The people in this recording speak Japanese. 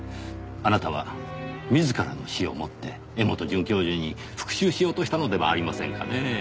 あなたは自らの死をもって柄本准教授に復讐しようとしたのではありませんかねぇ。